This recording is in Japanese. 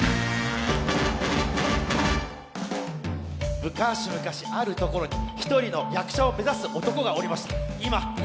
むかしむかしあるところに一つの役者を目指す男がおりました。